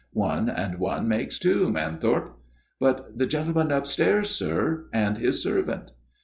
' One and one makes two, Manthorpe/ ' But the gentleman upstairs, sir, and his servant